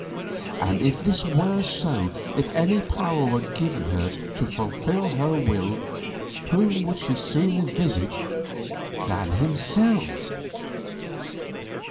And if this were so; if any power were given her to fulfil her will, whom would she sooner visit than himself?